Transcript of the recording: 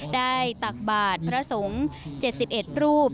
ตักบาทพระสงฆ์๗๑รูป